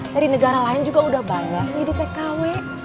dari negara lain juga udah banyak nih di tkw